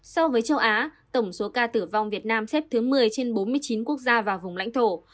so với châu á tổng số ca tử vong việt nam xếp thứ một mươi trên bốn mươi chín quốc gia và vùng lãnh thổ